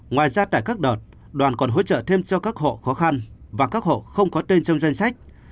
ngoài ra tại các đợt đoàn còn hỗ trợ thêm cho các hộ khó khăn và các hộ không có tên trong danh sách